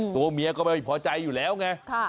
ตัวเมียก็ไม่พอใจอยู่แล้วไง